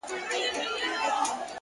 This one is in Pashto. پرمختګ له دوامداره تمرین زېږي؛